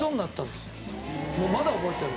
もうまだ覚えてる。